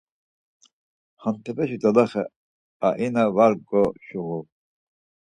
Hantepeşi doloxe aina var goşuğu.